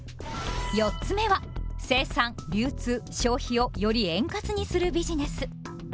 ４つ目は生産・流通・消費をより円滑にするビジネス。